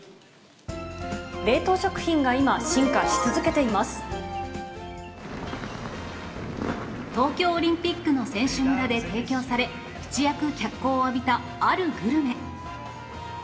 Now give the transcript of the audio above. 冷凍食品が今、進化し続けて東京オリンピックの選手村で提供され、一躍脚光を浴びたあるグルメ。